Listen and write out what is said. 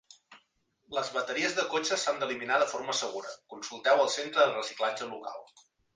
Les bateries de cotxe s'han d'eliminar de forma segura, consulteu el centre de reciclatge local.